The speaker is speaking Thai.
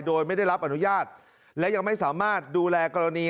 โดยไม่ได้รับอนุญาตและยังไม่สามารถดูแลกรณี